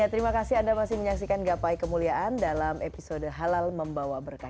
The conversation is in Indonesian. terima kasih anda masih menyaksikan gapai kemuliaan dalam episode halal membawa berkah